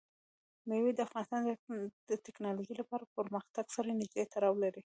مېوې د افغانستان د تکنالوژۍ له پرمختګ سره نږدې تړاو لري.